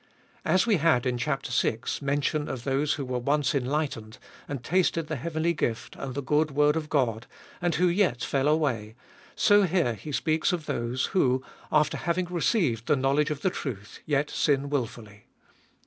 As we had in chap. vi. mention of those who were once enlightened, and tasted the heavenly gift and the good word of God, and who yet fell away, so here he speaks of those who, after having received the knowledge of the truth, yet sin wilfully.